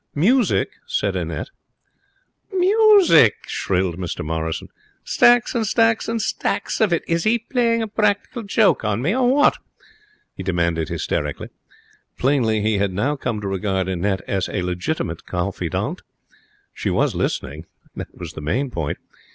'Music?' said Annette. 'Music!' shrilled Mr Morrison. 'Stacks and stacks and stacks of it. Is he playing a practical joke on me, or what?' he demanded, hysterically. Plainly he had now come to regard Annette as a legitimate confidante. She was listening. That was the main point.